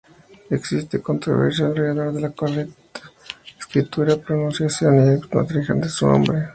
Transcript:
Existe controversia alrededor de la correcta escritura, pronunciación y etimología de su nombre.